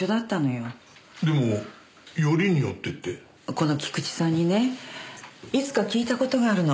この菊地さんにねいつか聞いた事があるの。